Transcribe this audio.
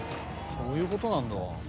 そういう事なんだ。